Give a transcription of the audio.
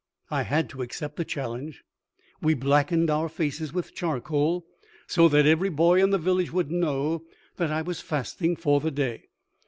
I had to accept the challenge. We blackened our faces with charcoal, so that every boy in the village would know that I was fasting for the day.